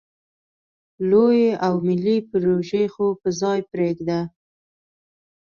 لویې او ملې پروژې خو په ځای پرېږده.